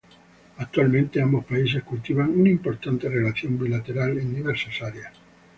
Actualmente, ambos países cultivan una importante relación bilateral en diversas áreas.